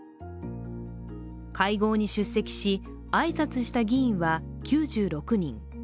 会合に出席し、挨拶した議員は９６人。